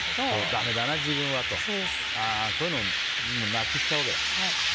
だめだな、自分はと。こういうのをなくしちゃうわけだ。